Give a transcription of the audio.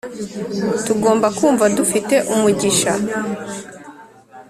tugomba kumva dufite umugisha